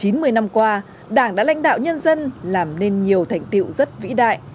chín mươi năm qua đảng đã lãnh đạo nhân dân làm nên nhiều thành tiệu rất vĩ đại